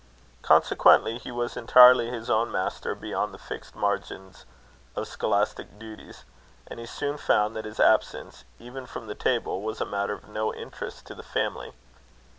Consequently, he was entirely his own master beyond the fixed margin of scholastic duties; and he soon found that his absence, even from the table, was a matter of no interest to the family.